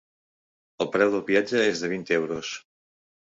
El preu del viatge és de vint euros.